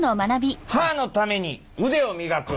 「歯のためにうでを磨く！！」。